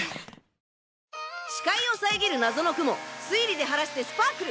視界を遮る謎の雲推理で晴らしてスパークル！